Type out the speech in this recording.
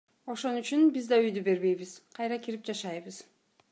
Ошону үчүн биз да үйдү бербейбиз, кайра кирип жашайбыз.